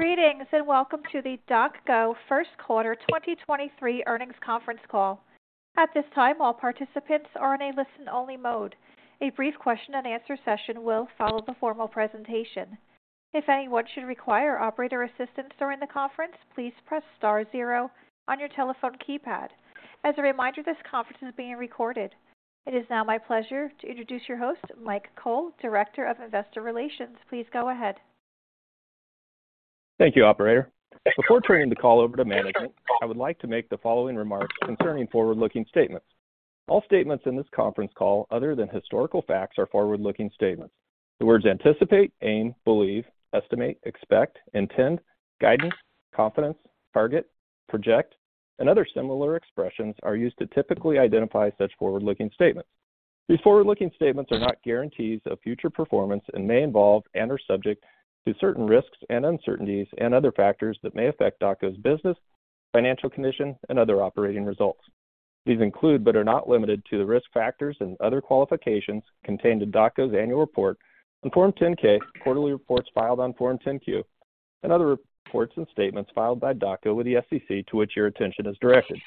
Greetings, welcome to the DocGo first quarter 2023 earnings conference call. At this time, all participants are in a listen-only mode. A brief question-and-answer session will follow the formal presentation. If anyone should require operator assistance during the conference, please press star zero on your telephone keypad. As a reminder, this conference is being recorded. It is now my pleasure to introduce your host, Mike Cole, Director of Investor Relations. Please go ahead. Thank you, operator. Before turning the call over to management, I would like to make the following remarks concerning forward-looking statements. All statements in this conference call other than historical facts are forward-looking statements. The words anticipate, aim, believe, estimate, expect, intend, guidance, confidence, target, project, and other similar expressions are used to typically identify such forward-looking statements. These forward-looking statements are not guarantees of future performance and may involve and are subject to certain risks and uncertainties and other factors that may affect DocGo's business, financial condition and other operating results. These include, but are not limited to, the risk factors and other qualifications contained in DocGo's annual report on Form 10-K, quarterly reports filed on Form 10-Q, and other reports and statements filed by DocGo with the SEC to which your attention is directed.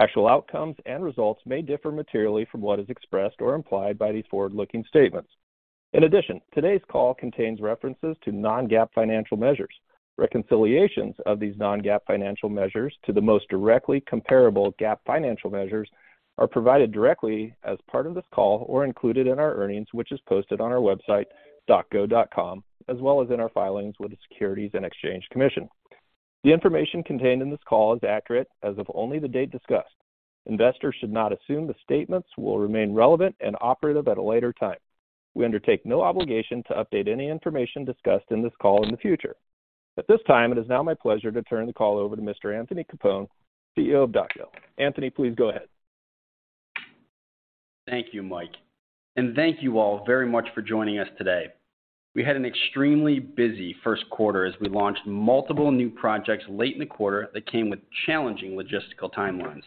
Actual outcomes and results may differ materially from what is expressed or implied by these forward-looking statements. In addition, today's call contains references to non-GAAP financial measures. Reconciliations of these non-GAAP financial measures to the most directly comparable GAAP financial measures are provided directly as part of this call or included in our earnings, which is posted on our website, docgo.com, as well as in our filings with the Securities and Exchange Commission. The information contained in this call is accurate as of only the date discussed. Investors should not assume the statements will remain relevant and operative at a later time. We undertake no obligation to update any information discussed in this call in the future. At this time, it is now my pleasure to turn the call over to Mr. Anthony Capone, CEO of DocGo. Anthony, please go ahead. Thank you, Mike, and thank you all very much for joining us today. We had an extremely busy first quarter as we launched multiple new projects late in the quarter that came with challenging logistical timelines.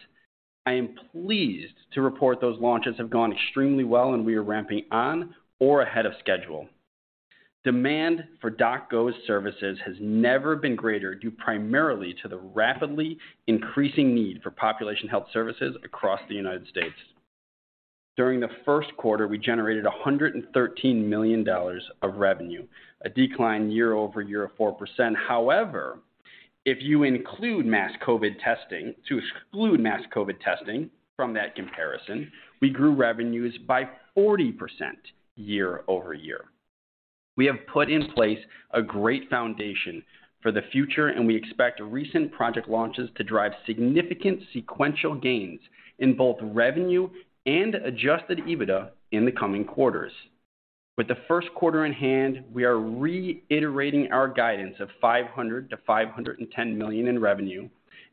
I am pleased to report those launches have gone extremely well and we are ramping on or ahead of schedule. Demand for DocGo's services has never been greater, due primarily to the rapidly increasing need for population health services across the United States. During the first quarter, we generated $113 million of revenue, a decline year-over-year of 4%. However, to exclude mass COVID testing from that comparison, we grew revenues by 40% year-over-year. We have put in place a great foundation for the future, and we expect recent project launches to drive significant sequential gains in both revenue and adjusted EBITDA in the coming quarters. With the first quarter in hand, we are reiterating our guidance of $500 million-$510 million in revenue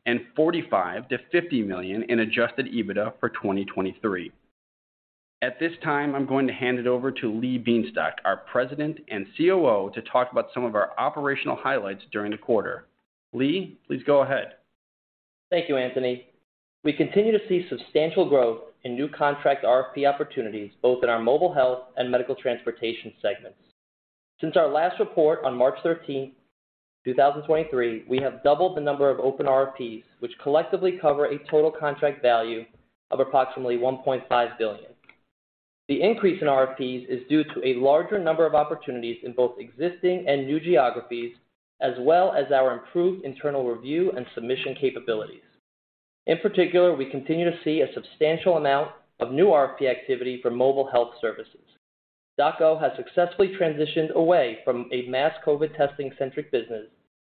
and $45 million-$50 million in adjusted EBITDA for 2023. At this time, I'm going to hand it over to Lee Bienstock, our President and COO, to talk about some of our operational highlights during the quarter. Lee, please go ahead. Thank you, Anthony. We continue to see substantial growth in new contract RFP opportunities both in our mobile health and medical transportation segments. Since our last report on March 13, 2023, we have doubled the number of open RFPs, which collectively cover a total contract value of approximately $1.5 billion. The increase in RFPs is due to a larger number of opportunities in both existing and new geographies, as well as our improved internal review and submission capabilities. In particular, we continue to see a substantial amount of new RFP activity for mobile health services. DocGo has successfully transitioned away from a mass COVID testing-centric business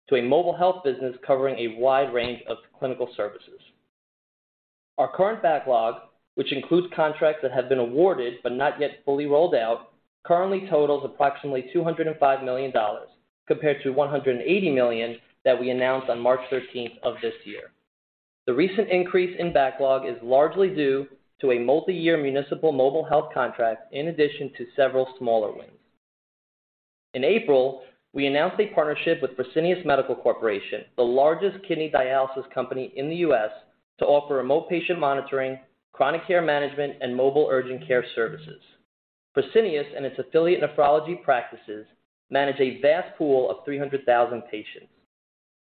to a mobile health business covering a wide range of clinical services. Our current backlog, which includes contracts that have been awarded but not yet fully rolled out, currently totals approximately $205 million compared to $180 million that we announced on March 13th of this year. The recent increase in backlog is largely due to a multi-year municipal mobile health contract in addition to several smaller wins. In April, we announced a partnership with Fresenius Medical Care, the largest kidney dialysis company in the US, to offer remote patient monitoring, chronic care management, and mobile urgent care services. Fresenius and its affiliate nephrology practices manage a vast pool of 300,000 patients.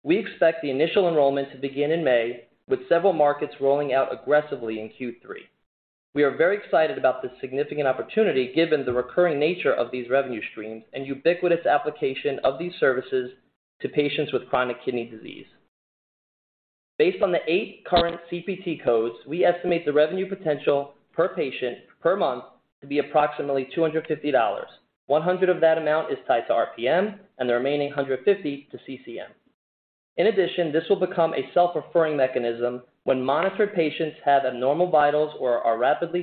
We expect the initial enrollment to begin in May, with several markets rolling out aggressively in Q3. We are very excited about this significant opportunity given the recurring nature of these revenue streams and ubiquitous application of these services to patients with chronic kidney disease. Based on the eight current CPT codes, we estimate the revenue potential per patient per month to be approximately $250. $100 of that amount is tied to RPM and the remaining $150 to CCM. In addition, this will become a self-referring mechanism. When monitored patients have abnormal vitals or are rapidly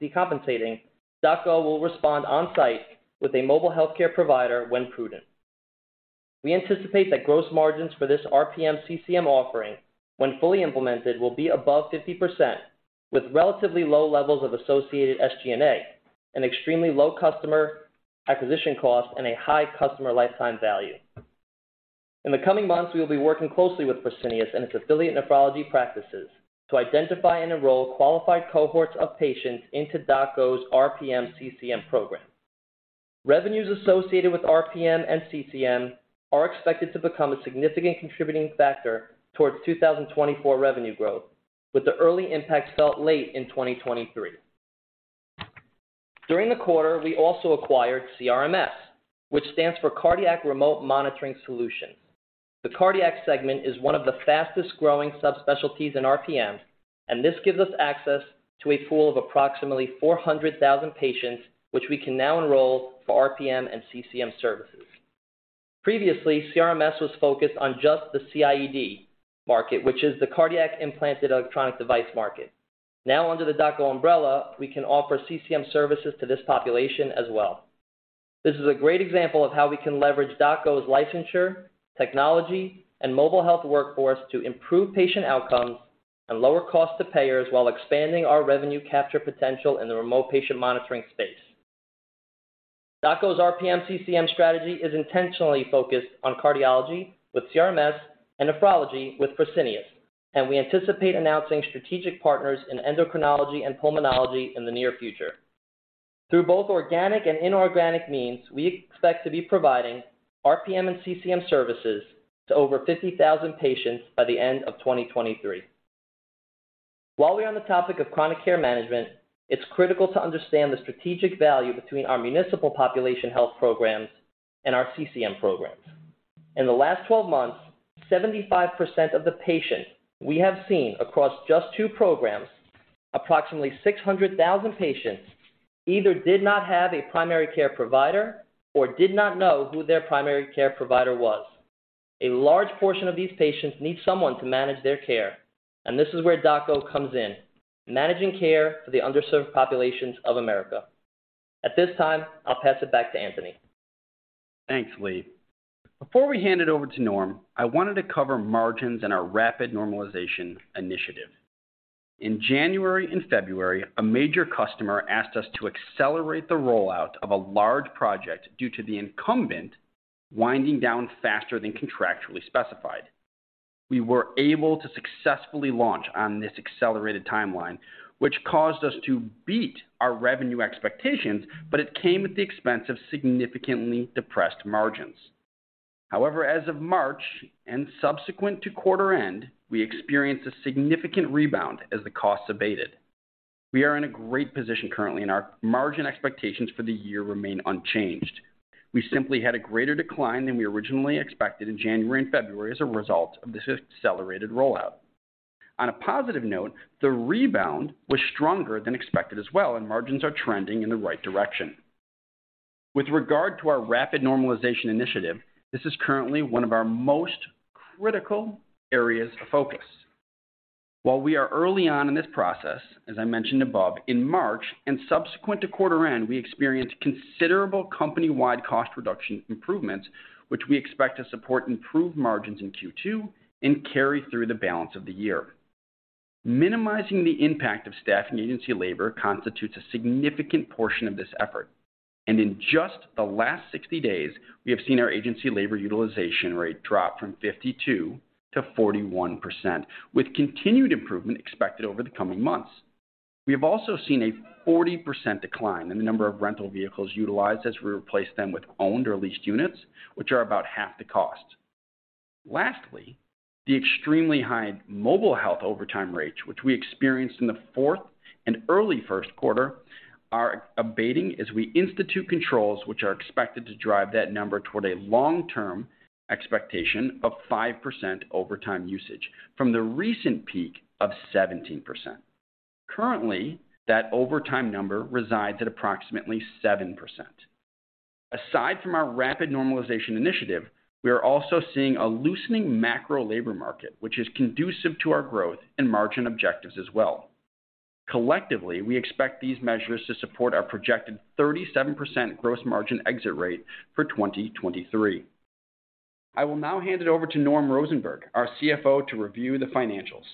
decompensating, DocGo will respond on-site with a mobile healthcare provider when prudent. We anticipate that gross margins for this RPM CCM offering, when fully implemented, will be above 50% with relatively low levels of associated SG&A and extremely low customer acquisition cost and a high customer lifetime value. In the coming months, we will be working closely with Fresenius and its affiliate nephrology practices to identify and enroll qualified cohorts of patients into DocGo's RPM CCM program. Revenues associated with RPM and CCM are expected to become a significant contributing factor towards 2024 revenue growth, with the early impacts felt late in 2023. During the quarter, we also acquired CRMS, which stands for Cardiac Remote Monitoring Solutions. The cardiac segment is one of the fastest-growing subspecialties in RPM, and this gives us access to a pool of approximately 400,000 patients, which we can now enroll for RPM and CCM services. Previously, CRMS was focused on just the CIED market, which is the cardiac implanted electronic device market. Now under the DocGo umbrella, we can offer CCM services to this population as well. This is a great example of how we can leverage DocGo's licensure, technology, and mobile health workforce to improve patient outcomes and lower cost to payers while expanding our revenue capture potential in the remote patient monitoring space. DocGo's RPM CCM strategy is intentionally focused on cardiology with CRMS and nephrology with Procinious, and we anticipate announcing strategic partners in endocrinology and pulmonology in the near future. Through both organic and inorganic means, we expect to be providing RPM and CCM services to over 50,000 patients by the end of 2023. While we're on the topic of chronic care management, it's critical to understand the strategic value between our municipal population health programs and our CCM programs. In the last 12 months, 75% of the patients we have seen across just two programs, approximately 600,000 patients, either did not have a primary care provider or did not know who their primary care provider was. A large portion of these patients need someone to manage their care, and this is where DocGo comes in, managing care for the underserved populations of America. At this time, I'll pass it back to Anthony. Thanks, Lee. Before we hand it over to Norm, I wanted to cover margins and our rapid normalization initiative. In January and February, a major customer asked us to accelerate the rollout of a large project due to the incumbent winding down faster than contractually specified. We were able to successfully launch on this accelerated timeline, which caused us to beat our revenue expectations, but it came at the expense of significantly depressed margins. As of March and subsequent to quarter end, we experienced a significant rebound as the costs abated. We are in a great position currently, and our margin expectations for the year remain unchanged. We simply had a greater decline than we originally expected in January and February as a result of this accelerated rollout. On a positive note, the rebound was stronger than expected as well, and margins are trending in the right direction. With regard to our rapid normalization initiative, this is currently one of our most critical areas of focus. While we are early on in this process, as I mentioned above, in March and subsequent to quarter end, we experienced considerable company-wide cost reduction improvements, which we expect to support improved margins in Q2 and carry through the balance of the year. Minimizing the impact of staffing agency labor constitutes a significant portion of this effort. In just the last 60 days, we have seen our agency labor utilization rate drop from 52 to 41%, with continued improvement expected over the coming months. We have also seen a 40% decline in the number of rental vehicles utilized as we replace them with owned or leased units, which are about half the cost. Lastly, the extremely high mobile health overtime rates, which we experienced in the fourth and early first quarter, are abating as we institute controls which are expected to drive that number toward a long-term expectation of 5% overtime usage from the recent peak of 17%. Currently, that overtime number resides at approximately 7%. Aside from our rapid normalization initiative, we are also seeing a loosening macro labor market, which is conducive to our growth and margin objectives as well. Collectively, we expect these measures to support our projected 37% gross margin exit rate for 2023. I will now hand it over to Norm Rosenberg, our CFO, to review the financials.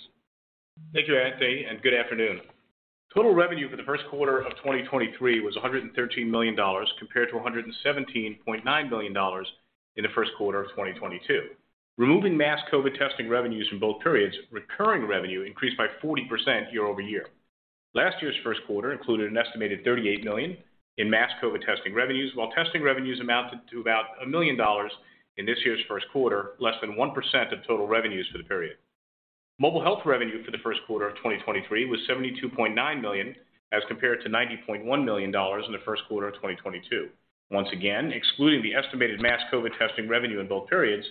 Thank you, Anthony. Good afternoon. Total revenue for the first quarter of 2023 was $113 million compared to $117.9 million in the first quarter of 2022. Removing mass COVID testing revenues from both periods, recurring revenue increased by 40% year-over-year. Last year's first quarter included an estimated $38 million in mass COVID testing revenues, while testing revenues amounted to about $1 million in this year's first quarter, less than 1% of total revenues for the period. Mobile health revenue for the first quarter of 2023 was $72.9 million as compared to $90.1 million in the first quarter of 2022. Once again, excluding the estimated mass COVID testing revenue in both periods,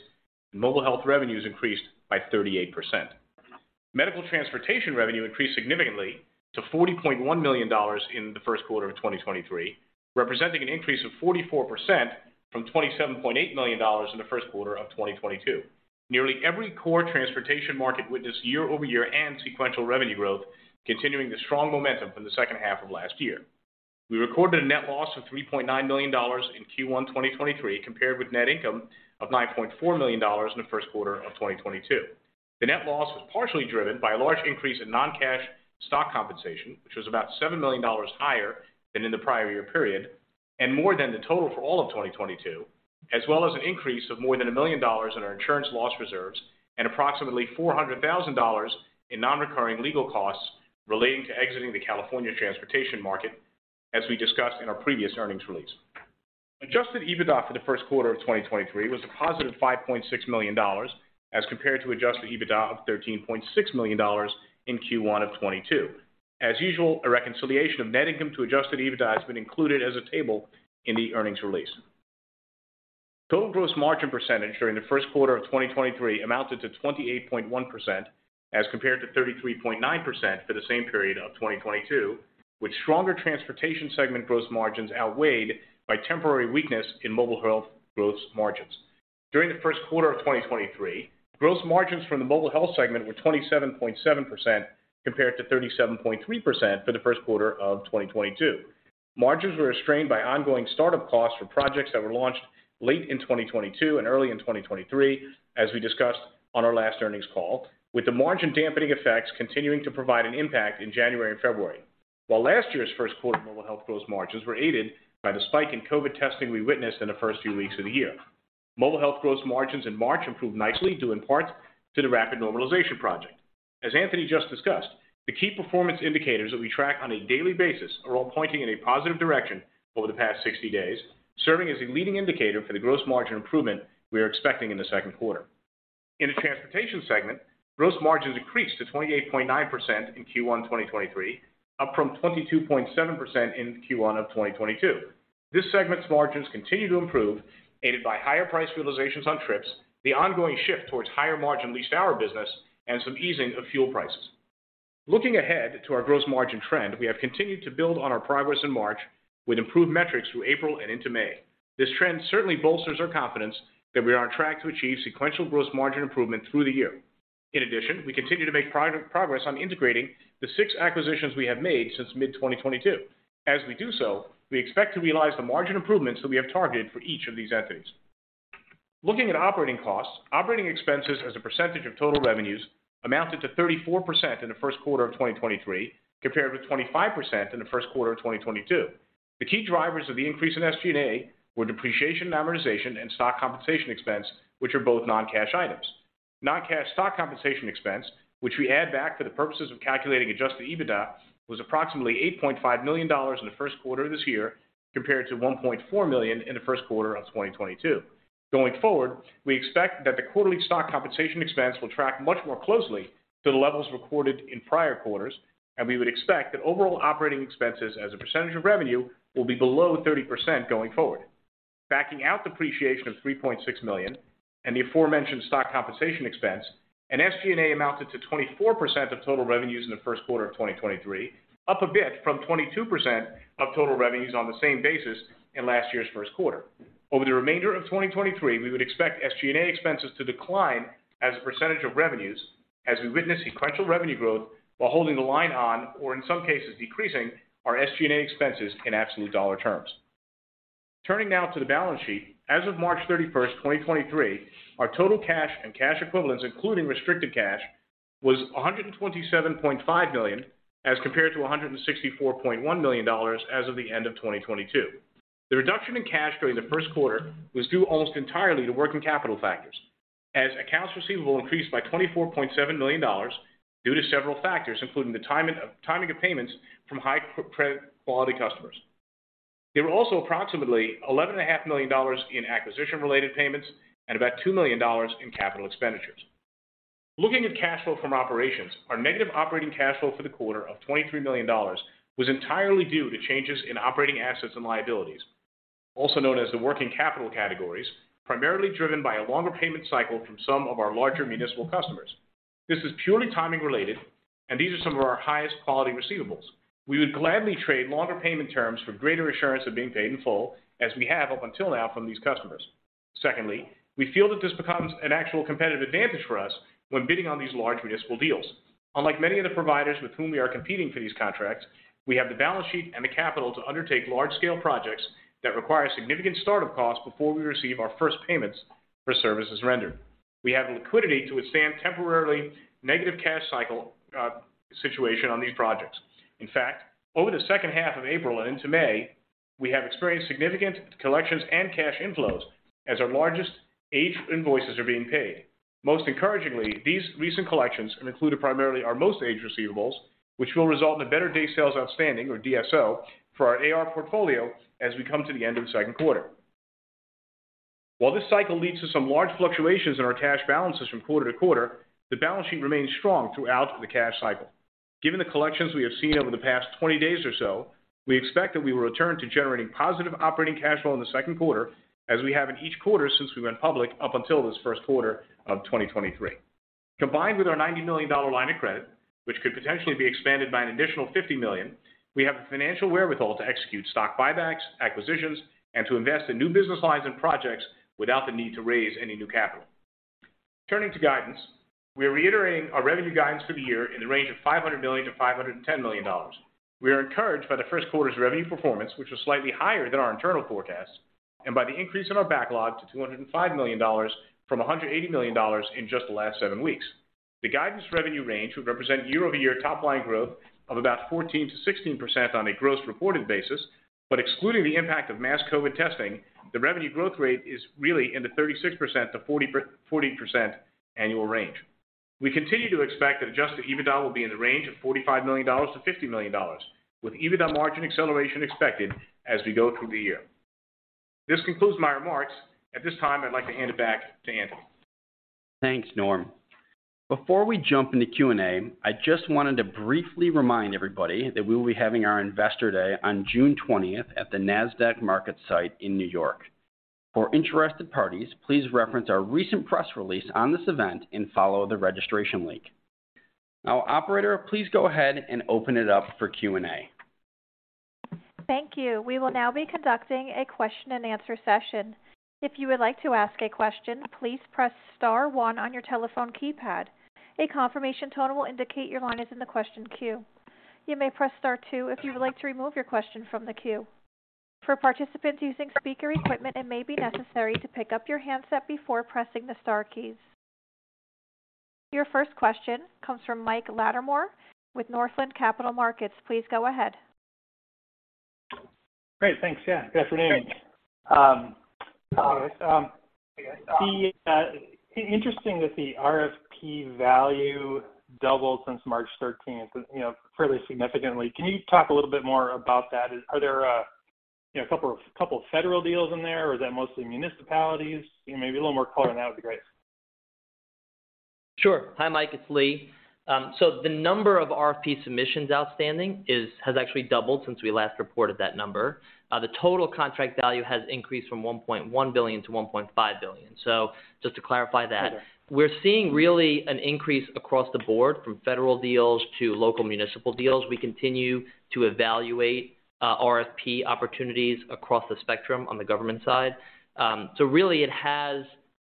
mobile health revenues increased by 38%. Medical transportation revenue increased significantly to $40.1 million in the first quarter of 2023, representing an increase of 44% from $27.8 million in the first quarter of 2022. Nearly every core transportation market witnessed year-over-year and sequential revenue growth, continuing the strong momentum from the second half of last year. We recorded a net loss of $3.9 million in Q1 2023, compared with net income of $9.4 million in the first quarter of 2022. The net loss was partially driven by a large increase in non-cash stock compensation, which was about $7 million higher than in the prior year period and more than the total for all of 2022. An increase of more than $1 million in our insurance loss reserves and approximately $400,000 in non-recurring legal costs relating to exiting the California transportation market, as we discussed in our previous earnings release. Adjusted EBITDA for the first quarter of 2023 was a positive $5.6 million as compared to adjusted EBITDA of $13.6 million in Q1 of 2022. As usual, a reconciliation of net income to adjusted EBITDA has been included as a table in the earnings release. Total gross margin percentage during the first quarter of 2023 amounted to 28.1% as compared to 33.9% for the same period of 2022, with stronger transportation segment gross margins outweighed by temporary weakness in mobile health gross margins. During the first quarter of 2023, gross margins from the mobile health segment were 27.7% compared to 37.3% for the first quarter of 2022. Margins were restrained by ongoing start-up costs for projects that were launched late in 2022 and early in 2023, as we discussed on our last earnings call, with the margin dampening effects continuing to provide an impact in January and February. Last year's first quarter mobile health gross margins were aided by the spike in COVID testing we witnessed in the first few weeks of the year. Mobile health gross margins in March improved nicely, due in part to the rapid normalization project. As Anthony just discussed, the key performance indicators that we track on a daily basis are all pointing in a positive direction over the past 60 days, serving as a leading indicator for the gross margin improvement we are expecting in the second quarter. In the transportation segment, gross margins increased to 28.9% in Q1 2023, up from 22.7% in Q1 of 2022. This segment's margins continue to improve, aided by higher price realizations on trips, the ongoing shift towards higher margin leased hour business, and some easing of fuel prices. Looking ahead to our gross margin trend, we have continued to build on our progress in March with improved metrics through April and into May. This trend certainly bolsters our confidence that we are on track to achieve sequential gross margin improvement through the year. We continue to make progress on integrating the six acquisitions we have made since mid-2022. As we do so, we expect to realize the margin improvements that we have targeted for each of these entities. Looking at operating costs, operating expenses as a percentage of total revenues amounted to 34% in the first quarter of 2023, compared with 25% in the first quarter of 2022. The key drivers of the increase in SG&A were depreciation, amortization, and stock compensation expense, which are both non-cash items. Non-cash stock compensation expense, which we add back for the purposes of calculating adjusted EBITDA, was approximately $8.5 million in the first quarter of this year, compared to $1.4 million in the first quarter of 2022. Going forward, we expect that the quarterly stock compensation expense will track much more closely to the levels recorded in prior quarters. We would expect that overall operating expenses as a percentage of revenue will be below 30% going forward. Backing out depreciation of $3.6 million and the aforementioned stock compensation expense, SG&A amounted to 24% of total revenues in the first quarter of 2023, up a bit from 22% of total revenues on the same basis in last year's first quarter. Over the remainder of 2023, we would expect SG&A expenses to decline as a % of revenues as we witness sequential revenue growth while holding the line on, or in some cases, decreasing our SG&A expenses in absolute $ terms. Turning now to the balance sheet. As of March 31st, 2023, our total cash and cash equivalents, including restricted cash, was $127.5 million, as compared to $164.1 million as of the end of 2022. The reduction in cash during the first quarter was due almost entirely to working capital factors, as accounts receivable increased by $24.7 million due to several factors, including the timing of payments from high credit-quality customers. There were also approximately eleven and a half million dollars in acquisition-related payments and about $2 million in capital expenditures. Looking at cash flow from operations, our negative operating cash flow for the quarter of $23 million was entirely due to changes in operating assets and liabilities, also known as the working capital categories, primarily driven by a longer payment cycle from some of our larger municipal customers. This is purely timing related. These are some of our highest quality receivables. We would gladly trade longer payment terms for greater assurance of being paid in full, as we have up until now from these customers. Secondly, we feel that this becomes an actual competitive advantage for us when bidding on these large municipal deals. Unlike many of the providers with whom we are competing for these contracts, we have the balance sheet and the capital to undertake large-scale projects that require significant start-up costs before we receive our first payments for services rendered. We have the liquidity to withstand temporarily negative cash cycle situation on these projects. In fact, over the second half of April and into May, we have experienced significant collections and cash inflows as our largest aged invoices are being paid. Most encouragingly, these recent collections have included primarily our most aged receivables, which will result in a better day sales outstanding or DSO for our AR portfolio as we come to the end of the second quarter. While this cycle leads to some large fluctuations in our cash balances from quarter to quarter, the balance sheet remains strong throughout the cash cycle. Given the collections we have seen over the past 20 days or so, we expect that we will return to generating positive operating cash flow in the second quarter, as we have in each quarter since we went public up until this first quarter of 2023. Combined with our $90 million line of credit, which could potentially be expanded by an additional $50 million, we have the financial wherewithal to execute stock buybacks, acquisitions, and to invest in new business lines and projects without the need to raise any new capital. Turning to guidance, we are reiterating our revenue guidance for the year in the range of $500 million-$510 million. We are encouraged by the first quarter's revenue performance, which was slightly higher than our internal forecasts, and by the increase in our backlog to $205 million from $180 million in just the last seven weeks. The guidance revenue range would represent year-over-year top line growth of about 14%-16% on a gross reported basis. Excluding the impact of mass COVID testing, the revenue growth rate is really in the 36%-40% annual range. We continue to expect that adjusted EBITDA will be in the range of $45 million-$50 million, with EBITDA margin acceleration expected as we go through the year. This concludes my remarks. At this time, I'd like to hand it back to Anthony. Thanks, Norm. Before we jump into Q&A, I just wanted to briefly remind everybody that we will be having our Investor Day on June twentieth at the Nasdaq MarketSite in New York. For interested parties, please reference our recent press release on this event and follow the registration link. Now, operator, please go ahead and open it up for Q&A. Thank you. We will now be conducting a question and answer session. If you would like to ask a question, please press star one on your telephone keypad. A confirmation tone will indicate your line is in the question queue. You may press star two if you would like to remove your question from the queue. For participants using speaker equipment, it may be necessary to pick up your handset before pressing the star keys. Your first question comes from Mike Latimore with Northland Capital Markets. Please go ahead. Great. Thanks. Yeah. Good afternoon. Hi guys. The interesting that the RFP value doubled since March 13th, you know, fairly significantly. Can you talk a little bit more about that? Are there, you know, a couple of federal deals in there or is that mostly municipalities? You know, maybe a little more color on that would be great. Sure. Hi, Mike, it's Lee. The number of RFP submissions outstanding has actually doubled since we last reported that number. The total contract value has increased from $1.1 billion to $1.5 billion. Just to clarify that. We're seeing really an increase across the board from federal deals to local municipal deals. We continue to evaluate, RFP opportunities across the spectrum on the government side. Really it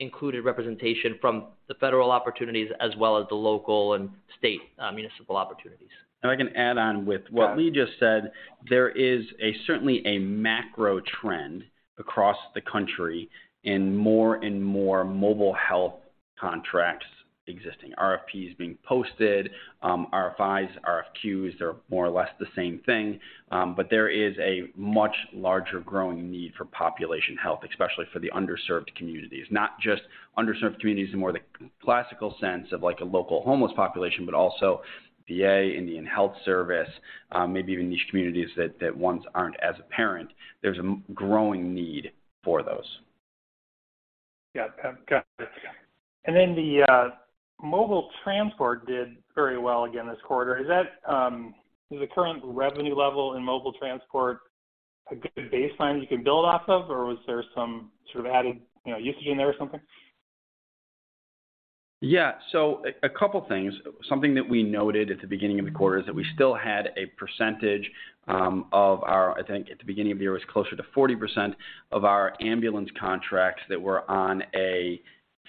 has included representation from the federal opportunities as well as the local and state, municipal opportunities. I can add on with what Lee just said. There is a certainly a macro trend across the country in more and more mobile health contracts existing. RFPs being posted, RFIs, RFQs, they're more or less the same thing. There is a much larger growing need for population health, especially for the underserved communities. Not just underserved communities in more the classical sense of like a local homeless population, but also VA, Indian Health Service, maybe even these communities that once aren't as apparent. There's a growing need for those. Yeah. Got it. The mobile transport did very well again this quarter. Is that, is the current revenue level in mobile transport a good baseline you can build off of? Or was there some sort of added, you know, usage in there or something? Yeah. A couple things. Something that we noted at the beginning of the quarter is that we still had a percentage of our... I think at the beginning of the year, it was closer to 40% of our ambulance contracts that were on a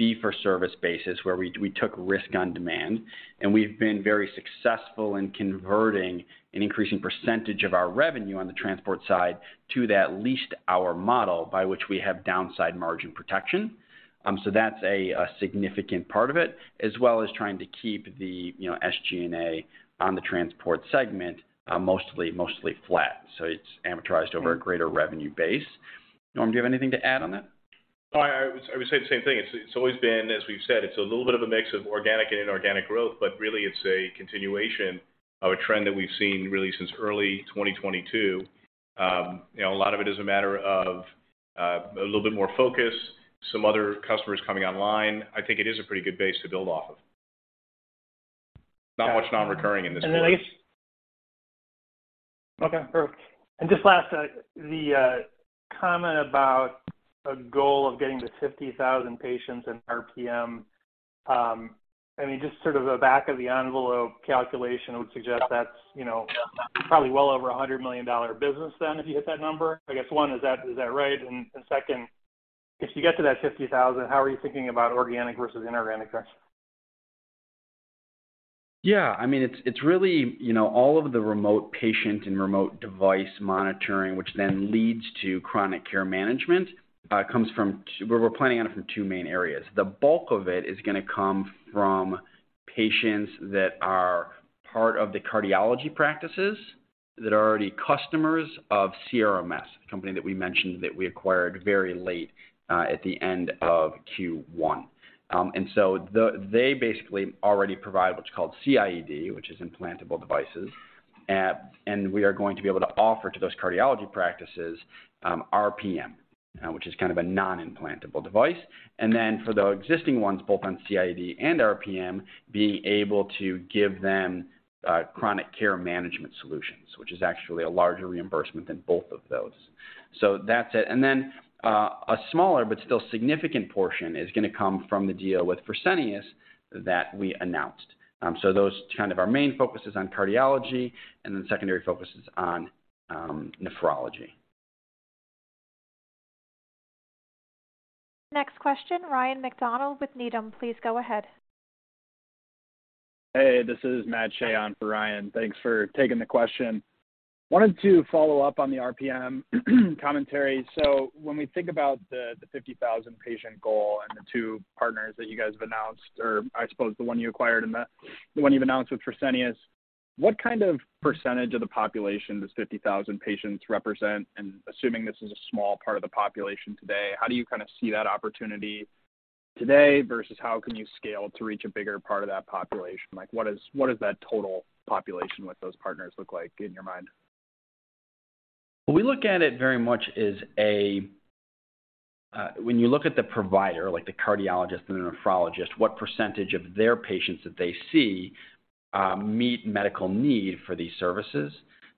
fee-for-service basis where we took risk on demand. We've been very successful in converting an increasing percentage of our revenue on the transport side to that leased hour model by which we have downside margin protection. That's a significant part of it, as well as trying to keep the, you know, SG&A on the transport segment, mostly flat. It's amortized over a greater revenue base. Norm, do you have anything to add on that? I would say the same thing. It's always been, as we've said, it's a little bit of a mix of organic and inorganic growth, but really it's a continuation of a trend that we've seen really since early 2022. You know, a lot of it is a matter of a little bit more focus, some other customers coming online. I think it is a pretty good base to build off of. Not much non-recurring in this quarter. Last. Okay, perfect. Just last, the comment about a goal of getting to 50,000 patients in RPM. I mean, just sort of a back of the envelope calculation would suggest that's, you know, probably well over a $100 million business then if you hit that number. I guess one, is that, is that right? Second, if you get to that 50,000, how are you thinking about organic versus inorganic growth? Yeah, I mean, it's really, you know, all of the remote patient and remote device monitoring, which then leads to chronic care management, we're planning on it from two main areas. The bulk of it is gonna come from patients that are part of the cardiology practices that are already customers of CRMS, the company that we mentioned that we acquired very late at the end of Q1. They basically already provide what's called CIED, which is implantable devices. We are going to be able to offer to those cardiology practices, RPM, which is kind of a non-implantable device. For the existing ones, both on CIED and RPM, being able to give them chronic care management solutions, which is actually a larger reimbursement than both of those. That's it. A smaller but still significant portion is gonna come from the deal with Fresenius that we announced. Those kind of our main focus is on cardiology and then secondary focus is on nephrology. Next question, Ryan MacDonald with Needham. Please go ahead. Hey, this is Matt Shea on for Ryan. Thanks for taking the question. Wanted to follow up on the RPM commentary. When we think about the 50,000 patient goal and the two partners that you guys have announced, or I suppose the one you acquired and the one you've announced with Fresenius, what kind of percentage of the population does 50,000 patients represent? Assuming this is a small part of the population today, how do you kinda see that opportunity today versus how can you scale to reach a bigger part of that population? Like, what does that total population with those partners look like in your mind? We look at it very much as a, when you look at the provider, like the cardiologist and the nephrologist, what percentage of their patients that they see, meet medical need for these services.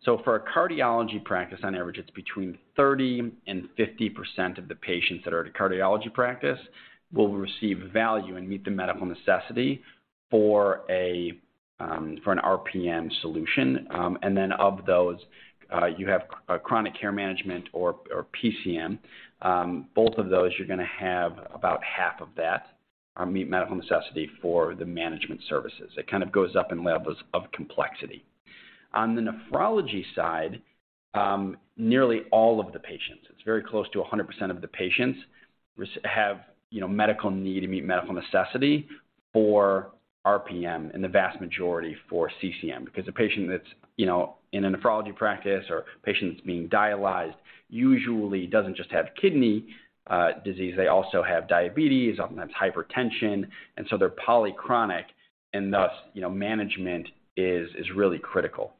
For a cardiology practice, on average, it's between 30% and 50% of the patients that are at a cardiology practice will receive value and meet the medical necessity for an RPM solution. Of those, you have chronic care management or PCM. Both of those, you're gonna have about half of that meet medical necessity for the management services. It kind of goes up in levels of complexity. On the nephrology side, nearly all of the patients, it's very close to 100% of the patients have, you know, medical need to meet medical necessity for RPM and the vast majority for CCM. A patient that's, you know, in a nephrology practice or patient's being dialyzed usually doesn't just have kidney disease. They also have diabetes, oftentimes hypertension, and so they're polychronic, and thus, you know, management is really critical.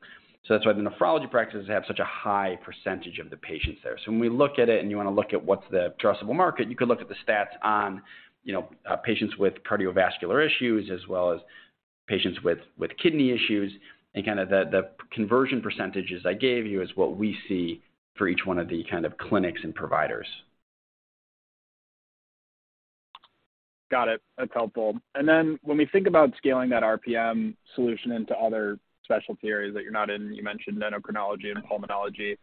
That's why the nephrology practices have such a high percentage of the patients there. When we look at it and you wanna look at what's the addressable market, you can look at the stats on, you know, patients with cardiovascular issues as well as patients with kidney issues. Kinda the conversion percentages I gave you is what we see for each one of the kind of clinics and providers. Got it. That's helpful. When we think about scaling that RPM solution into other specialty areas that you're not in, you mentioned endocrinology and pulmonology,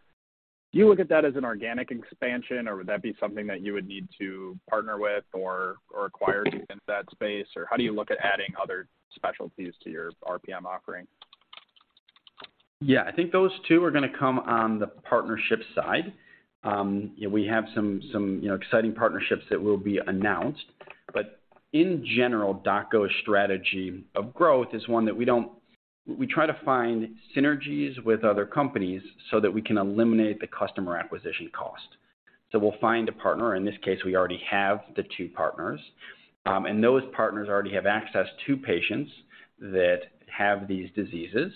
do you look at that as an organic expansion, or would that be something that you would need to partner with or acquire to get into that space? Or how do you look at adding other specialties to your RPM offering? Yeah. I think those two are gonna come on the partnership side. you know, we have some, you know, exciting partnerships that will be announced. In general, DocGo's strategy of growth is one that we try to find synergies with other companies so that we can eliminate the customer acquisition cost. We'll find a partner. In this case, we already have the two partners. those partners already have access to patients that have these diseases,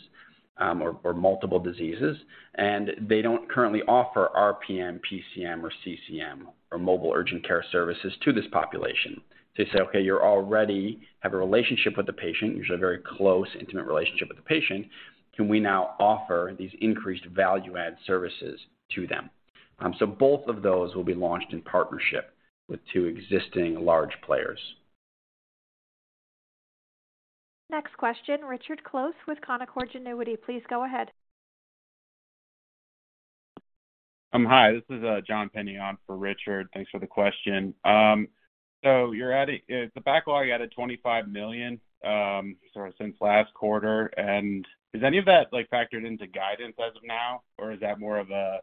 or multiple diseases, and they don't currently offer RPM, PCM or CCM or mobile urgent care services to this population. You say, "Okay, you already have a relationship with the patient, usually a very close, intimate relationship with the patient. Can we now offer these increased value add services to them?" Both of those will be launched in partnership with two existing large players. Next question, Richard Close with Canaccord Genuity. Please go ahead. Hi. This is John Pinney for Richard. Thanks for the question. The backlog added $25 million, sort of since last quarter. Is any of that, like, factored into guidance as of now, or is that more of a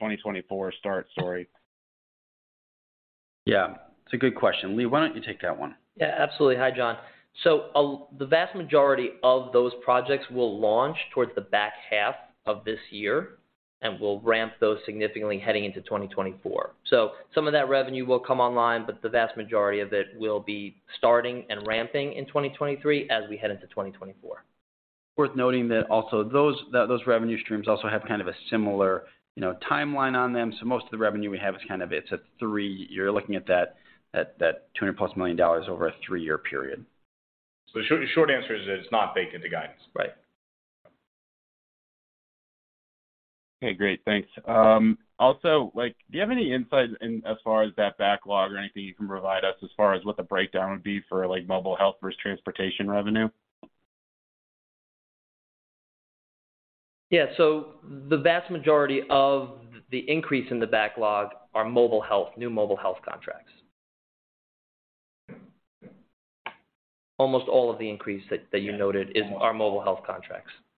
2024 start story? Yeah. It's a good question. Lee, why don't you take that one? Yeah, absolutely. Hi, John. The vast majority of those projects will launch towards the back half of this year and will ramp those significantly heading into 2024. Some of that revenue will come online, but the vast majority of it will be starting and ramping in 2023 as we head into 2024. Worth noting that also those revenue streams also have a similar, you know, timeline on them. You're looking at that $200+ million over a 3-year period. Short, short answer is it's not baked into guidance. Right. Okay, great. Thanks. Also, like, do you have any insight in as far as that backlog or anything you can provide us as far as what the breakdown would be for like mobile health versus transportation revenue? Yeah. The vast majority of the increase in the backlog are mobile health, new mobile health contracts. Almost all of the increase that you noted are mobile health contracts. Okay,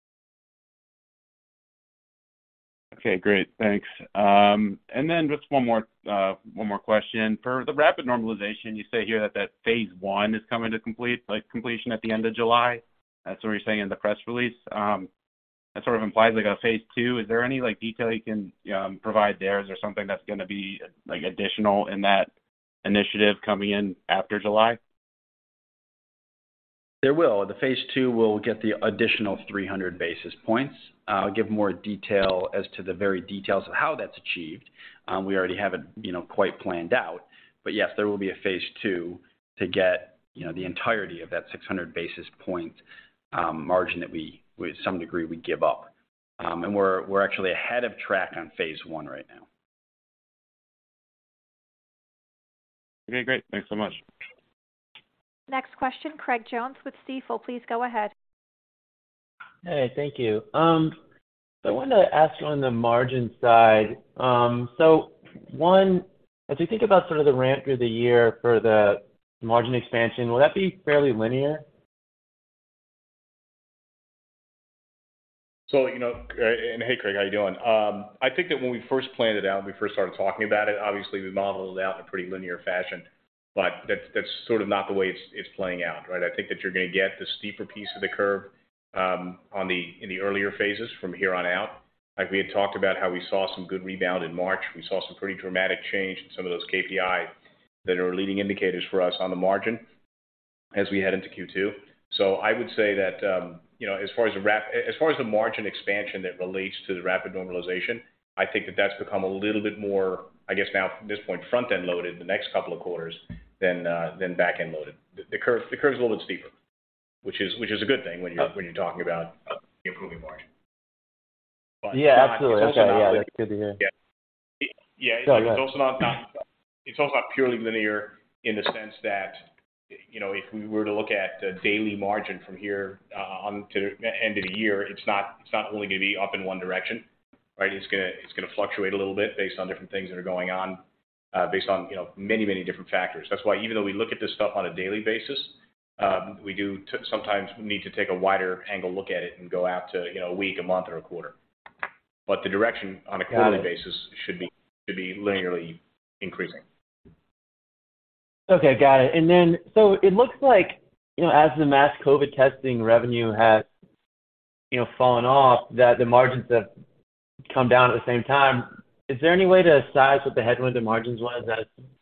great. Thanks. Just one more question. For the rapid normalization, you say here that phase 1 is coming to completion at the end of July. That's what you're saying in the press release. That sort of implies like a phase 2. Is there any like detail you can provide there? Is there something that's gonna be like additional in that initiative coming in after July? There will. The phase two will get the additional 300 basis points. I'll give more detail as to the very details of how that's achieved. We already have it, you know, quite planned out. Yes, there will be a phase two to get, you know, the entirety of that 600 basis point, margin that we, with some degree we give up. We're actually ahead of track on phase one right now. Okay, great. Thanks so much. Next question, Craig Jones with Stifel. Please go ahead. Hey, thank you. I wanted to ask you on the margin side, one, as you think about sort of the ramp through the year for the margin expansion, will that be fairly linear? you know, hey, Craig, how you doing? I think that when we first planned it out, when we first started talking about it, obviously we modeled it out in a pretty linear fashion, but that's sort of not the way it's playing out, right? I think that you're gonna get the steeper piece of the curve in the earlier phases from here on out. Like, we had talked about how we saw some good rebound in March. We saw some pretty dramatic change in some of those KPI that are leading indicators for us on the margin as we head into Q2. I would say that, you know, as far as the margin expansion that relates to the rapid normalization, I think that that's become a little bit more, I guess now at this point, front-end loaded the next couple of quarters than back-end loaded. The curve's a little bit steeper, which is a good thing when you're talking about the improving margin. Yeah, absolutely. Okay. Yeah, that's good to hear. Yeah. Yeah. No, go ahead. It's also not purely linear in the sense that, you know, if we were to look at the daily margin from here, on to the end of the year, it's not only gonna be up in one direction, right? It's gonna fluctuate a little bit based on different things that are going on, based on, you know, many different factors. That's why even though we look at this stuff on a daily basis, we do sometimes need to take a wider angle look at it and go out to, you know, a week, a month, or a quarter. The direction on a quarterly basis should be linearly increasing. Okay. Got it. It looks like, you know, as the mass COVID testing revenue has, you know, fallen off, that the margins have come down at the same time. Is there any way to size what the headwind in margins was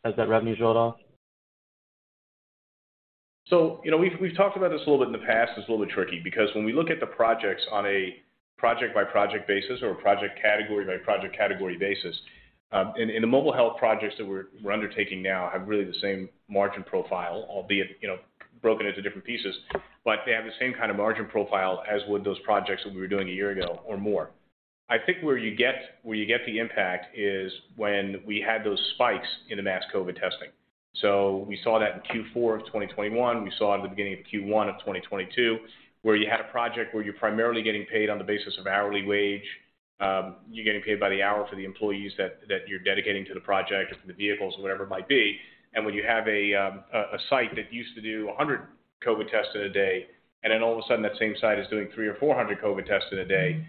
as that revenue's rolled off? You know, we've talked about this a little bit in the past. It's a little bit tricky because when we look at the projects on a project-by-project basis or a project category by project category basis, in the mobile health projects that we're undertaking now have really the same margin profile, albeit, you know, broken into different pieces. They have the same kind of margin profile as would those projects that we were doing a year ago or more. I think where you get the impact is when we had those spikes in the mass COVID testing. We saw that in Q4 of 2021. We saw it at the beginning of Q1 of 2022, where you had a project where you're primarily getting paid on the basis of hourly wage. You're getting paid by the hour for the employees that you're dedicating to the project or for the vehicles or whatever it might be. When you have a site that used to do 100 COVID tests in a day, and then all of a sudden that same site is doing 300 or 400 COVID tests in a day,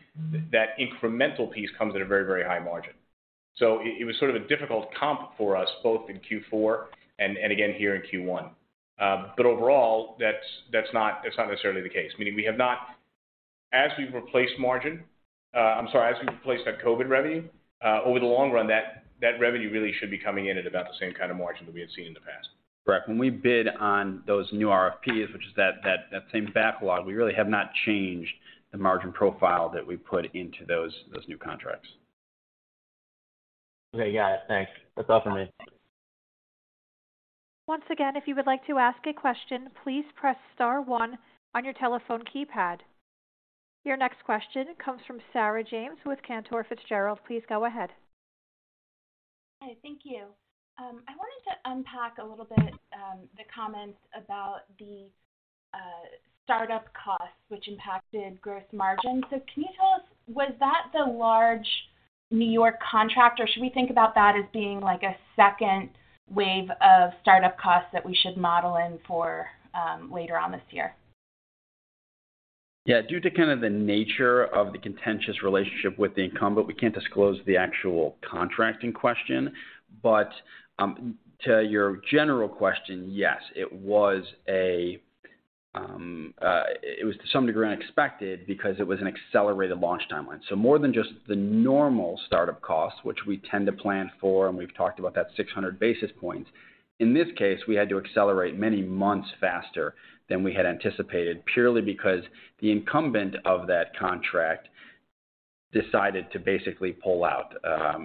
that incremental piece comes at a very, very high margin. It was sort of a difficult comp for us both in Q4 and again here in Q1. Overall, that's not necessarily the case. As we've replaced margin, I'm sorry, as we've replaced that COVID revenue, over the long run, that revenue really should be coming in at about the same kind of margin that we had seen in the past. Correct. When we bid on those new RFPs, which is that same backlog, we really have not changed the margin profile that we put into those new contracts. Okay. Got it. Thanks. That's all for me. Once again, if you would like to ask a question, please press star one on your telephone keypad. Your next question comes from Sarah James with Cantor Fitzgerald. Please go ahead. Hi. Thank you. I wanted to unpack a little bit the comments about the startup costs which impacted gross margin. Can you tell us, was that the large New York contract, or should we think about that as being like a second wave of startup costs that we should model in for later on this year? Yeah. Due to kind of the nature of the contentious relationship with the incumbent, we can't disclose the actual contract in question. To your general question, yes, it was to some degree unexpected because it was an accelerated launch timeline. More than just the normal startup costs, which we tend to plan for, and we've talked about that 600 basis points. In this case, we had to accelerate many months faster than we had anticipated purely because the incumbent of that contract decided to basically pull out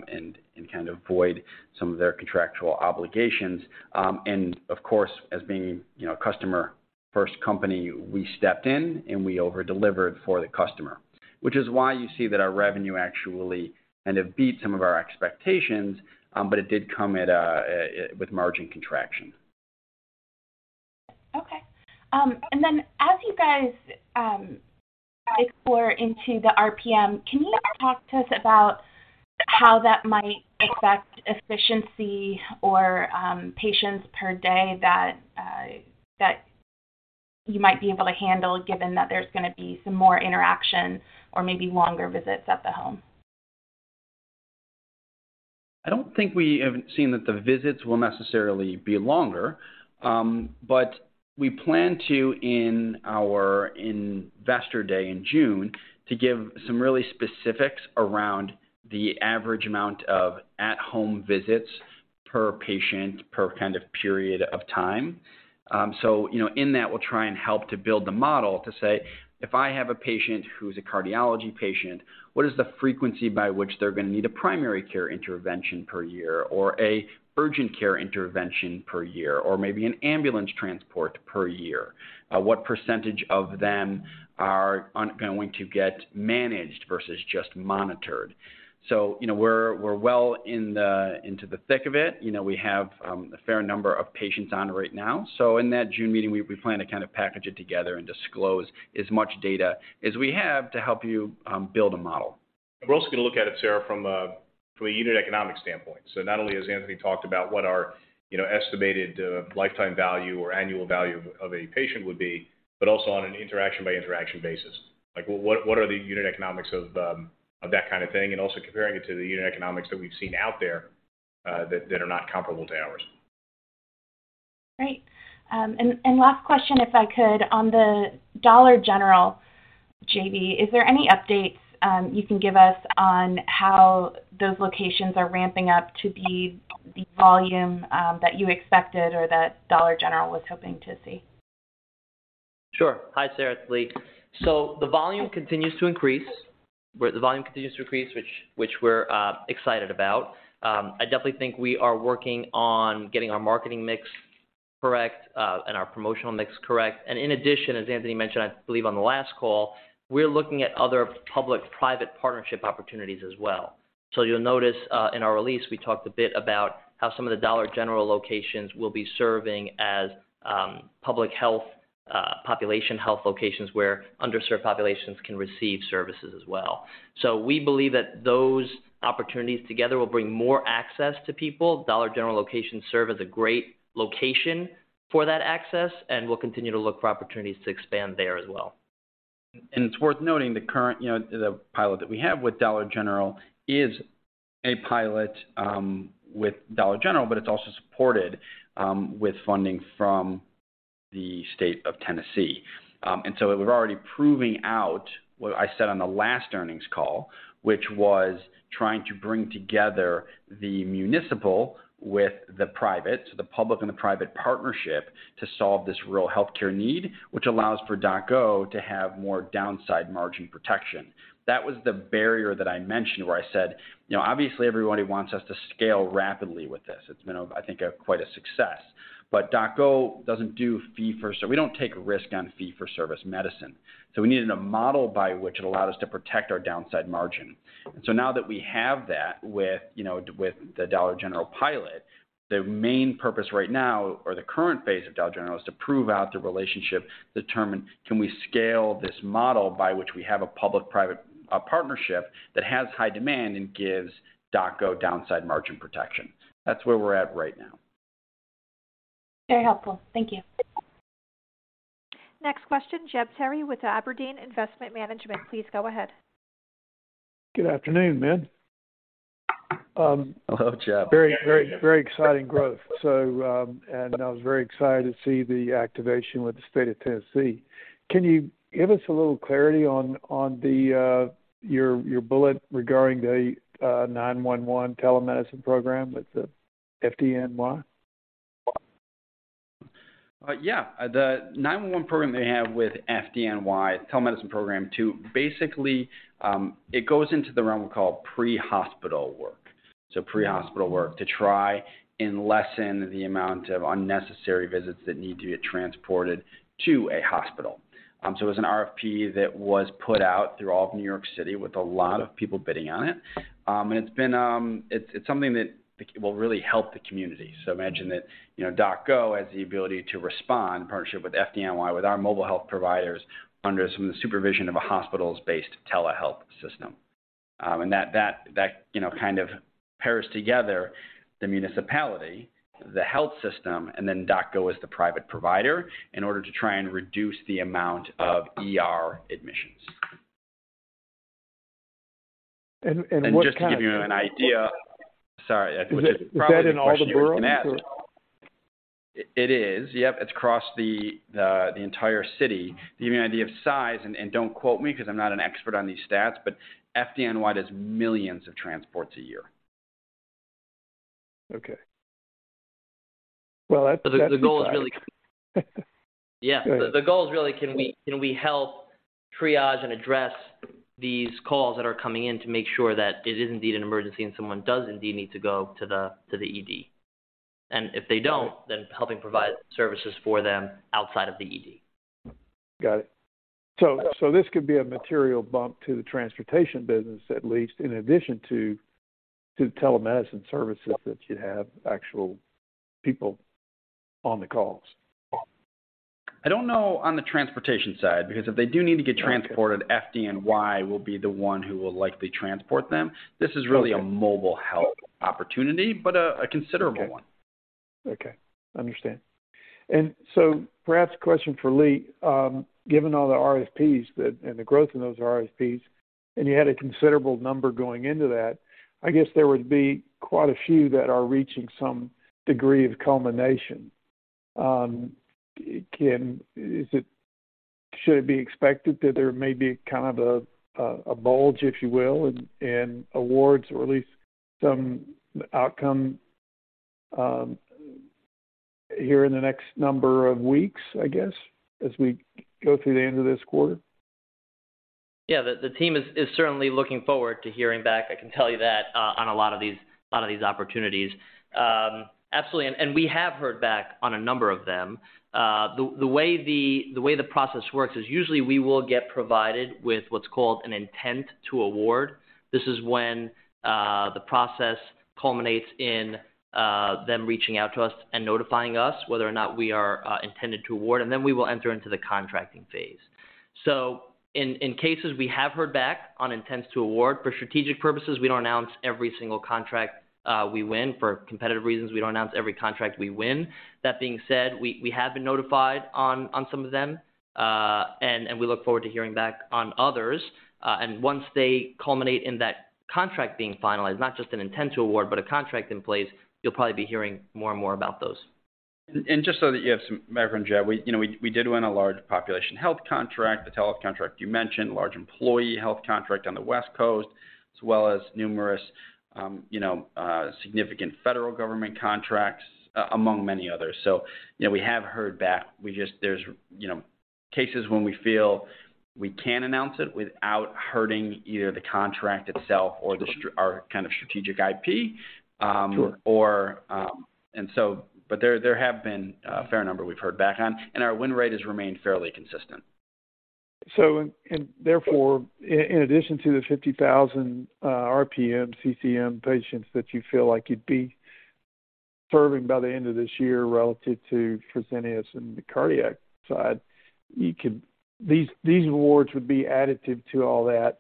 and kind of void some of their contractual obligations. Of course, as being, you know, a customer-first company, we stepped in and we over-delivered for the customer, which is why you see that our revenue actually kind of beat some of our expectations, but it did come with margin contraction. Okay. As you guys explore into the RPM, can you talk to us about how that might affect efficiency or, patients per day that you might be able to handle given that there's gonna be some more interaction or maybe longer visits at the home? I don't think we have seen that the visits will necessarily be longer. We plan to in our Investor Day in June to give some really specifics around the average amount of at-home visits per patient per kind of period of time. You know, in that we'll try and help to build the model to say, if I have a patient who's a cardiology patient, what is the frequency by which they're gonna need a primary care intervention per year or a urgent care intervention per year or maybe an ambulance transport per year? What percentage of them are going to get managed versus just monitored? You know, we're well into the thick of it. You know, we have a fair number of patients on right now. In that June meeting, we plan to kind of package it together and disclose as much data as we have to help you build a model. We're also gonna look at it, Sarah, from a unit economic standpoint. Not only has Anthony talked about what our, you know, estimated lifetime value or annual value of a patient would be, but also on an interaction-by-interaction basis. Like, what are the unit economics of that kind of thing? Also comparing it to the unit economics that we've seen out there, that are not comparable to ours. Great. Last question, if I could, on the Dollar General, Jeb, is there any updates, you can give us on how those locations are ramping up to be the volume, that you expected or that Dollar General was hoping to see? Sure. Hi, Sarah. It's Lee. The volume continues to increase, which we're excited about. I definitely think we are working on getting our marketing mix correct and our promotional mix correct. In addition, as Anthony mentioned, I believe on the last call, we're looking at other public-private partnership opportunities as well. You'll notice, in our release, we talked a bit about how some of the Dollar General locations will be serving as public health, population health locations, where underserved populations can receive services as well. We believe that those opportunities together will bring more access to people. Dollar General locations serve as a great location for that access, and we'll continue to look for opportunities to expand there as well. It's worth noting the current, you know, the pilot that we have with Dollar General is a pilot with Dollar General, but it's also supported with funding from the State of Tennessee. It was already proving out what I said on the last earnings call, which was trying to bring together the municipal with the private, so the public and the private partnership, to solve this real healthcare need, which allows for DocGo to have more downside margin protection. That was the barrier that I mentioned where I said, you know, obviously everybody wants us to scale rapidly with this. It's been a, I think a, quite a success. DocGo doesn't do fee-for-service. We don't take risk on fee-for-service medicine, so we needed a model by which it allowed us to protect our downside margin. Now that we have that with, you know, with the Dollar General pilot, the main purpose right now or the current phase of Dollar General is to prove out the relationship, determine can we scale this model by which we have a public-private partnership that has high demand and gives DocGo downside margin protection. That's where we're at right now. Very helpful. Thank you. Next question, Jeb Terry with Aberdeen Investment Management. Please go ahead. Good afternoon, men. Hello, Jeb. Yeah. Hey, Jeb. Very, very, very exciting growth. I was very excited to see the activation with the State of Tennessee. Can you give us a little clarity on the your bullet regarding the 911 telemedicine program with the FDNY? Yeah. The 911 program they have with FDNY telemedicine program to basically, it goes into the realm we call pre-hospital work. Pre-hospital work to try and lessen the amount of unnecessary visits that need to get transported to a hospital. It was an RFP that was put out through all of New York City with a lot of people bidding on it. It's something that will really help the community. Imagine that, you know, DocGo has the ability to respond in partnership with FDNY, with our mobile health providers, under the supervision of a hospital-based telehealth system. That, you know, kind of pairs together the municipality, the health system, and DocGo as the private provider in order to try and reduce the amount of ER admissions. And, what kind of- Just to give you an idea. Sorry. That was probably the question you were gonna ask. Is that in all the boroughs or? It is. Yep. It's across the entire city. To give you an idea of size, and don't quote me 'cause I'm not an expert on these stats, but FDNY does millions of transports a year. Okay. Well, that's exciting. The goal is really. Yeah. Go ahead. The goal is really can we help triage and address these calls that are coming in to make sure that it is indeed an emergency and someone does indeed need to go to the ED. If they don't, then helping provide services for them outside of the ED. Got it. This could be a material bump to the transportation business, at least in addition to telemedicine services that you have actual people on the calls. I don't know on the transportation side, because if they do need to get transported. Okay. FDNY will be the one who will likely transport them. Okay. This is really a mobile health opportunity, but a considerable one. Okay. Okay. Understand. Perhaps a question for Lee. Given all the RFPs that, and the growth in those RFPs, and you had a considerable number going into that, I guess there would be quite a few that are reaching some degree of culmination. Should it be expected that there may be kind of a bulge, if you will, in awards or at least some outcome, here in the next number of weeks, I guess, as we go through the end of this quarter? The team is certainly looking forward to hearing back, I can tell you that, on a lot of these, on a lot of these opportunities. Absolutely, and we have heard back on a number of them. The way the process works is usually we will get provided with what's called an intent to award. This is when the process culminates in them reaching out to us and notifying us whether or not we are intended to award, and then we will enter into the contracting phase. In cases we have heard back on intents to award for strategic purposes, we don't announce every single contract we win. For competitive reasons, we don't announce every contract we win. That being said, we have been notified on some of them, and we look forward to hearing back on others. Once they culminate in that contract being finalized, not just an intent to award, but a contract in place, you'll probably be hearing more and more about those. Just so that you have some, Jeb, we, you know, we did win a large population health contract, the telehealth contract you mentioned, large employee health contract on the West Coast, as well as numerous, you know, significant federal government contracts among many others. You know, we have heard back. There's, you know, cases when we feel we can announce it without hurting either the contract itself or kind of strategic IP. Sure. There have been a fair number we've heard back on, and our win rate has remained fairly consistent. Therefore, in addition to the 50,000 RPM CCM patients that you feel like you'd be serving by the end of this year relative to TruCenta and the cardiac side, these awards would be additive to all that.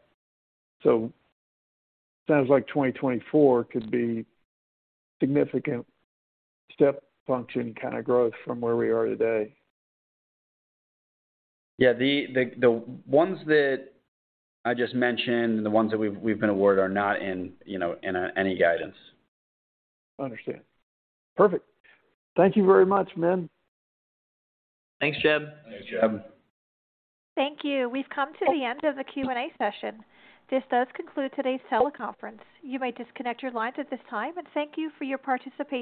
Sounds like 2024 could be significant step function kinda growth from where we are today. Yeah. The ones that I just mentioned and the ones that we've been awarded are not in, you know, in any guidance. Understand. Perfect. Thank you very much, men. Thanks, Jeb. Thanks, Jeb. Thank you. We've come to the end of the Q&A session. This does conclude today's teleconference. You may disconnect your lines at this time, and thank you for your participation.